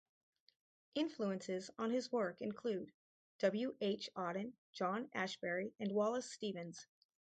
Influences on his work include: W. H. Auden, John Ashbery, and Wallace Stevens.